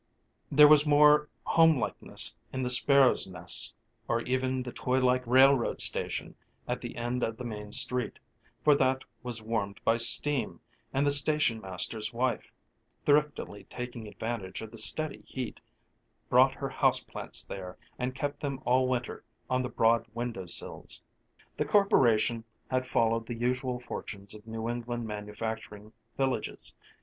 There was more homelikeness in the sparrows' nests, or even the toylike railroad station at the end of the main street, for that was warmed by steam, and the station master's wife, thriftily taking advantage of the steady heat, brought her house plants there and kept them all winter on the broad window sills. The Corporation had followed the usual fortunes of New England manufacturing villages.